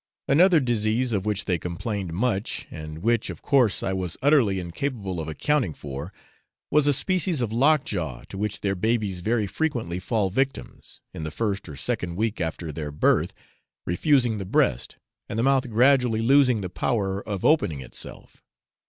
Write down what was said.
Another disease, of which they complained much, and which, of course, I was utterly incapable of accounting for, was a species of lock jaw, to which their babies very frequently fall victims, in the first or second week after their birth, refusing the breast, and the mouth gradually losing the power of opening itself.